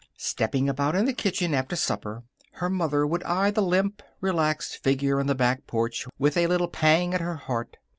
Stepping about in the kitchen after supper, her mother would eye the limp, relaxed figure on the back porch with a little pang at her heart.